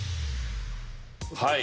はい。